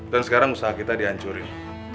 dan sekarang usaha kita dihancurin